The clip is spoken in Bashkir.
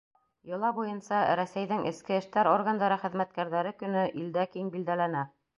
Йола буйынса, Рәсәйҙең эске эштәр органдары хеҙмәткәрҙәре көнө илдә киң билдәләнә.